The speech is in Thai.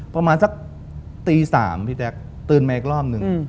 ประมาณสักตี๓พี่แจ๊คตื่นมาอีกรอบหนึ่ง